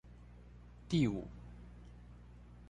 第五